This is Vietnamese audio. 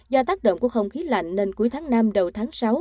do tác động của không khí lạnh nên cuối tháng năm đầu tháng sáu